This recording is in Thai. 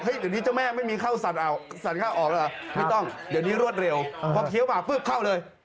เดี๋ยวนี้เจ้าแม่ไม่มีเข้าสั่นเข้าออกแล้วเหรอไม่ต้องเดี๋ยวนี้รวดเร็วพอเคี้ยวปากปุ๊บเข้าเลย